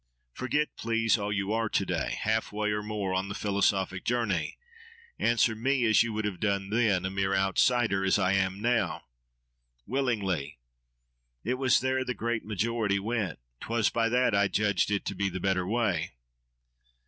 Forget, please, all you are to day—half way, or more, on the philosophic journey: answer me as you would have done then, a mere outsider as I am now. —Willingly! It was there the great majority went! 'Twas by that I judged it to be the better way.